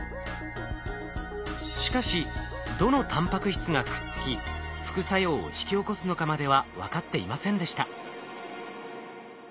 しかしどのタンパク質がくっつき副作用を引き起こすのかまでは分かっていませんでした。